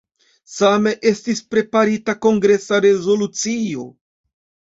Same estis preparita kongresa rezolucio.